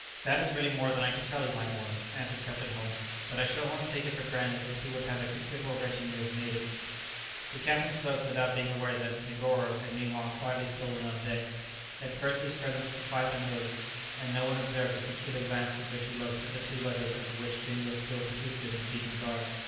"That is really more than I can tell you, my boy," answered Captain Hull; "but I should almost take it for granted that he would have a considerable retinue of natives." The captain spoke without being aware that Negoro had meanwhile quietly stolen on deck. At first his presence was quite unnoticed, and no one observed the peculiar glance with which he looked at the two letters over which Dingo still persisted in keeping guard.